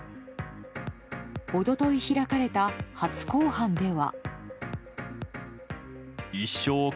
一昨日、開かれた初公判では。